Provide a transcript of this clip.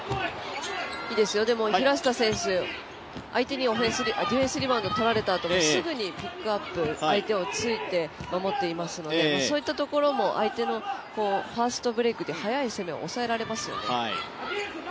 でも平下選手相手にディフェンスリバウンドとられたときにすぐにピックアップ相手について守っていますのでそういったところも相手のファストブレイクで速い攻めをおさえられますよね。